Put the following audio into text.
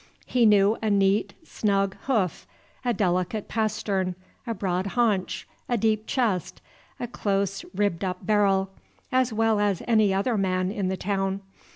He knew a neat, snug hoof, a delicate pastern, a broad haunch, a deep chest, a close ribbed up barrel, as well as any other man in the town.